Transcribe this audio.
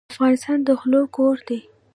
افغانستان د غلو کور دی.